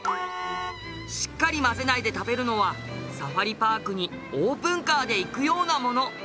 しっかり混ぜないで食べるのはサファリパークにオープンカーで行くようなもの。